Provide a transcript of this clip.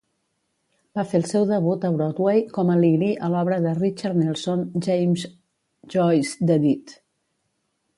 Va fer el seu debut a Broadway com a Lily a l'obra de Richard Nelson "James Joyce's The Dead".